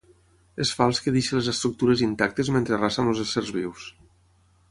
És fals que deixe les estructures intactes mentre arrasa amb els éssers vius.